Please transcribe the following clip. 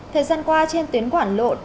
thời gian qua trên tuyến quảng lộn